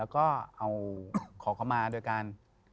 ขอคำมาโดยการ